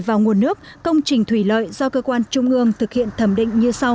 vào nguồn nước công trình thủy lợi do cơ quan trung ương thực hiện thẩm định như sau